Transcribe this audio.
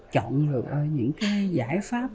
chọn được những cái giải pháp